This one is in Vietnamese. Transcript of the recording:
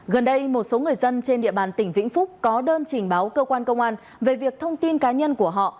gần đây một số người dân trên địa bàn tỉnh vĩnh phúc có đơn trình báo cơ quan công an về việc thông tin cá nhân của họ